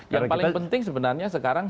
yang paling penting sebenarnya sekarang